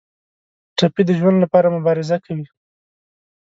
ټپي د ژوند لپاره مبارزه کوي.